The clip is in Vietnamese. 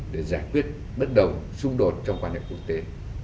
để giải quyết bất đồng xung đột trong quan hệ quốc tế